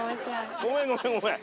ごめんごめんごめん。